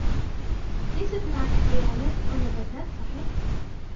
ليست معك حيوانات أو نباتات ، صحيح ؟